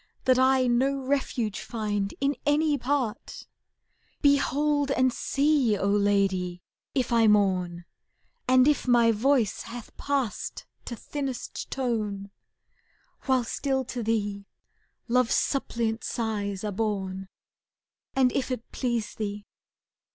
That I no refuge find in any part ? Behold and see, O Lady ! if I mourn. And if my voice hath passed to thinnest tone, ^<* While still to thee love's suppliant sighs are borne, And if it please thee.